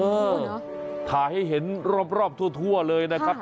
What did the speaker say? ถ่ายให้เห็นรอบทั่วเลยนะครับ